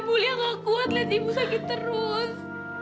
bu liya tidak kuat lihat ibu sakit terus